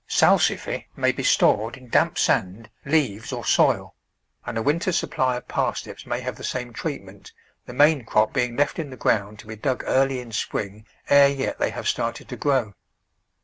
Salsify may be stored in damp sand, leaves, or soil, and a win ter's supply of parsnips may have the same treat ment, the main crop being left in the ground to be dug early in spring ere yet they have started to grow.